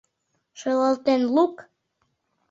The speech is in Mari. — Шӱлалтен лук!